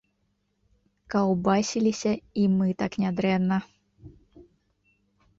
Каўбасіліся і мы так нядрэнна!